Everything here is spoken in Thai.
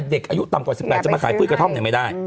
เด็กอายุต่ำกว่า๑๘จะมาขายพืชกระท่อมไม่ได้